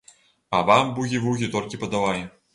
А, вам бугі-вугі толькі падавай!